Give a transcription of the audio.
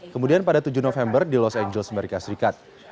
kemudian pada tujuh november di los angeles amerika serikat